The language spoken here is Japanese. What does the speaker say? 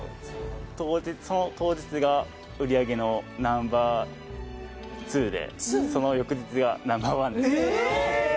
その当日が売り上げのナンバー２でその翌日がナンバー１ですえ！